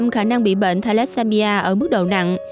hai mươi năm khả năng bị bệnh thalessamia ở mức độ nặng